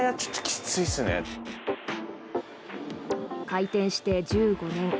開店して１５年。